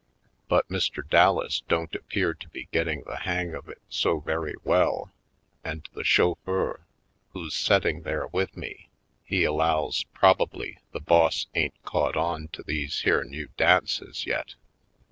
But Mr. Dallas don't appear to be getting the hang of it so very well and the chauffeur, who's setting there with me, he allov/s probably the boss ain't caught on to these here new dances yet.